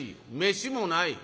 「飯もない」。